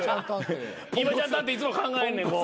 今ちゃん探偵いつも考えんねんこう。